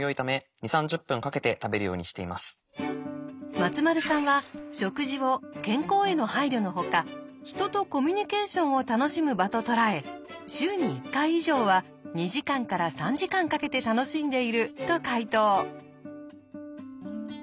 松丸さんは食事を健康への配慮のほか人とコミュニケーションを楽しむ場と捉え週に１回以上は２時間から３時間かけて楽しんでいると解答。